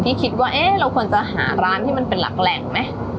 พี่คิดว่าเราควรจะหาร้านที่เป็นหลักแหล่งไหม